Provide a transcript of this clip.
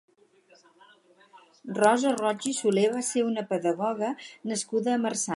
Rosa Roig i Soler va ser una pedagoga nascuda a Marçà.